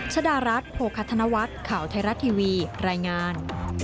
ชดารัฐโภคธนวัฒน์ข่าวไทยรัฐทีวีรายงาน